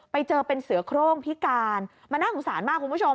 ไปเจอเป็นเสือโครงพิการมันน่าสงสารมากคุณผู้ชม